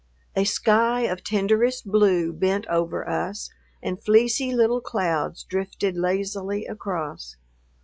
A sky of tenderest blue bent over us and fleecy little clouds drifted lazily across....